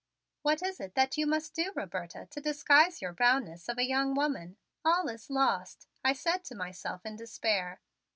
"What is it that you must do, Roberta, to disguise your roundness of a young woman? All is lost!" I said to myself in despair.